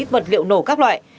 vật liệu nổ các loại